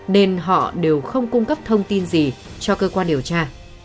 nên họ đều không cung cấp thông tin gì cho cơ quan điều tra